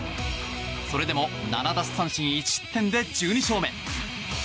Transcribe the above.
それでも７奪三振１失点で１２勝目。